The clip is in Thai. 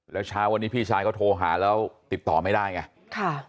แล้วเช้าวันนี้พี่ชายเขาโทรหาแล้วติดต่อไม่ได้ไงค่ะ